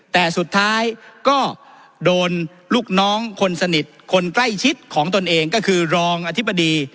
แต่สุดท้ายก็โดนลูกน้องคนสนิทคนใกล้ชิดของตนเองก็คือรองอธิบดี